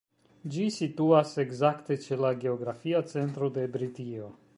Ĝi situas ekzakte ĉe la geografia centro de Britio.